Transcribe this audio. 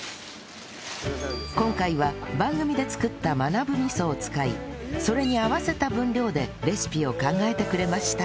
今回は番組でつくったマナブ味噌を使いそれに合わせた分量でレシピを考えてくれました